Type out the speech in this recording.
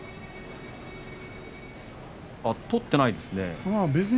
取ってないですね。